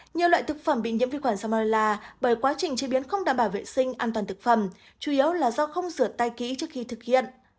nhiều loại thực phẩm bị nhiễm vi khuẩn samola bởi quá trình chế biến không đảm bảo vệ sinh an toàn thực phẩm chủ yếu là do không rửa tay kỹ trước khi thực hiện